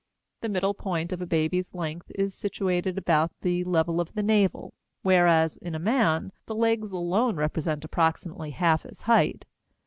The middle point of a baby's length is situated about the level of the navel, whereas in a man the legs alone represent approximately half his height.